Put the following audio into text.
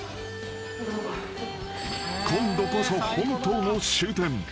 ［今度こそ本当の終点］